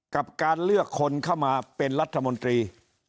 กับการเลือกคนเข้ามาเป็นรัฐมนตรี